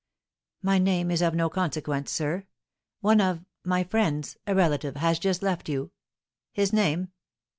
"My name is of no consequence, sir. One of my friends, a relative, has just left you." "His name?"